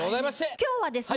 今日はですね